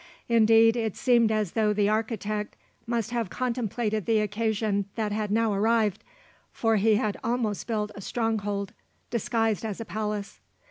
Indeed it seemed as though the architect must have contemplated the occasion that had now arrived, for he had almost built a stronghold disguised as a palace.